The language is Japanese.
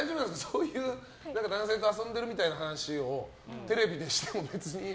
そういう男性と遊んでるみたいな話をテレビでしても。